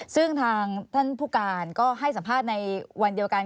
ซึ่งทางท่านผู้การก็ให้สัมภาษณ์ในวันเดียวกัน